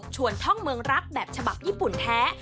ท่องเมืองรักแบบฉบับญี่ปุ่นแท้